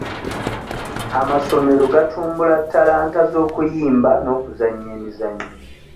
Amasomero gatumbula talanta z'okuyimba n'okuzannya emizannyo.